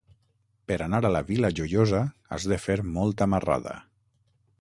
Per anar a la Vila Joiosa has de fer molta marrada.